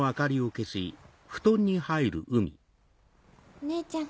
お姉ちゃん。